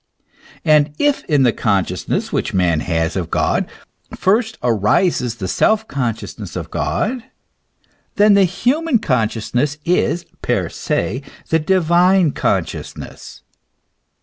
And if in the consciousness which man has of God first arises the self consciousness of God, then the human consciousness is, per se y the divine consciousness.